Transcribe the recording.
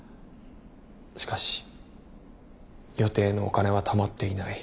しかし予定のお金はたまっていない。